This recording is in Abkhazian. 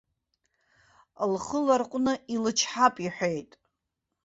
Лхы ларҟәны илычҳап иҳәеит.